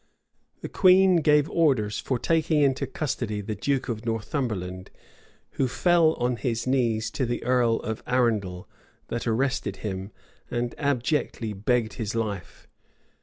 The queen gave orders for taking into custody the duke of Northumberland, who fell on his knees to the earl of Arundel, that arrested him, and abjectly begged his life.